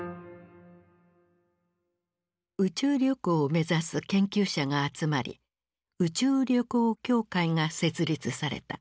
宇宙旅行を目指す研究者が集まり宇宙旅行協会が設立された。